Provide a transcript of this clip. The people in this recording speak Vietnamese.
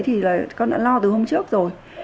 thì là con đã lo từ hôm trước rồi